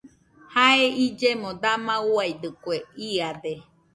Jae illemo dama uiadɨkue iade.